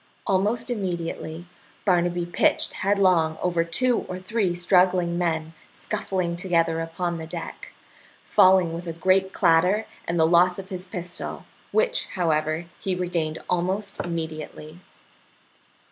Almost immediately Barnaby pitched headlong over two or three struggling men scuffling together upon the deck, falling with a great clatter and the loss of his pistol, which, however, he regained almost immediately.